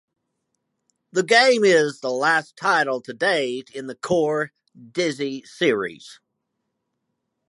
The game is the last title to date in the core "Dizzy" series.